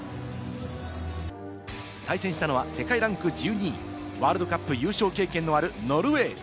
対戦したのは世界ランク１２位、ワールドカップ優勝経験のあるノルウェー。